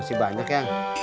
musti banyak ya